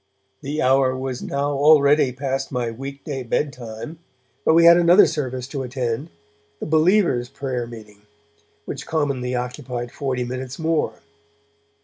The hour was now already past my weekday bedtime, but we had another service to attend, the Believers' Prayer Meeting, which commonly occupied forty minutes more.